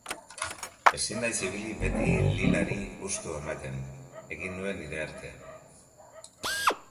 Ezin naiz ibili beti Lilari gustua ematen, egin nuen nire artean.